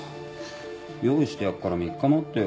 用意してやるから３日待ってよ。